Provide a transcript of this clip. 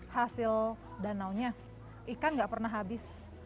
hasil danaunya ikan nggak pernah habis